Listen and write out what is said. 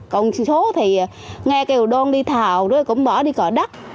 còn số thì nghe kêu đôn đi thào rồi cũng bỏ đi có đất